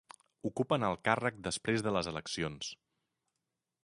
Ocupen el càrrec després de les eleccions.